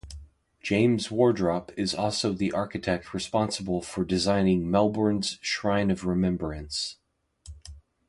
James Wardrop is also the architect responsible for designing Melbourne's Shrine of Remembrance.